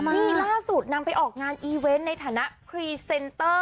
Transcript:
นี่ล่าสุดนำไปออกงานอีเว้นต์ในฐานะคุยช่อง